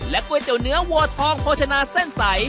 ก๋วยเตี๋ยวเนื้อวัวทองโภชนาเส้นใส